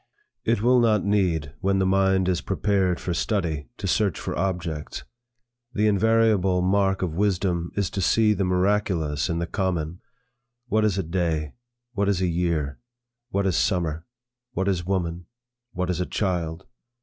It will not need, when the mind is prepared for study, to search for objects. The invariable mark of wisdom is to see the miraculous in the common. What is a day? What is a year? What is summer? What is woman? What is a child?